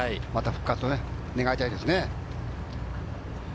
また復活を願いたいですね。